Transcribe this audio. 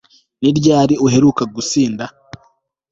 Ni ryari uheruka gusinda